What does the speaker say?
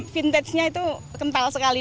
vintage nya itu kental sekali